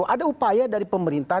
ada upaya dari pemerintah